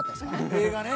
映画ね。